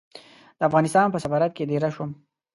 د افغانستان په سفارت کې دېره شوم.